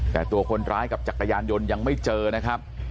แต่ตัวคนร้ายกับจักรยานยนต์ยังไม่เจอนะครับ